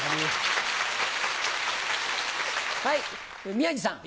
宮治さん。